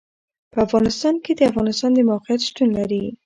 په افغانستان کې د افغانستان د موقعیت شتون لري.